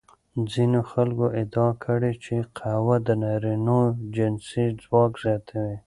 ځینو خلکو ادعا کړې چې قهوه د نارینوو جنسي ځواک زیاتوي.